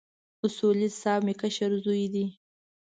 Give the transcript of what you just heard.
اصولي صیب مې کشر زوی دی.